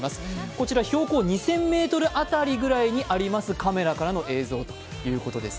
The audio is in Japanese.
こちら標高２０００ｍぐらい辺りにあるカメラの映像ということです。